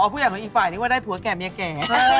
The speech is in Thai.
ผู้ใหญ่ของอีกฝ่ายนึกว่าได้ผัวแก่เมียแก่